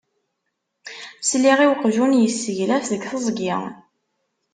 Sliɣ i uqjun yesseglaf deg teẓgi.